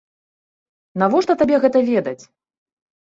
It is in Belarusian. Навошта табе гэта ведаць?